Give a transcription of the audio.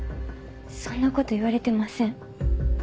そんなこと言われてません。